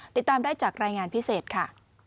ติดตามได้จากรายงานพิเศษค่ะ